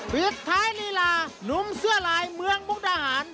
ปิดท้ายลีลานุ่มเสื้อลายเมืองมุกดาหาร